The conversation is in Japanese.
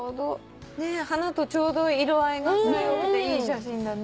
花とちょうど色合いがいい写真だね。